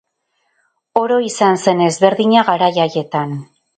Oro izan zen ezberdina garai haietan.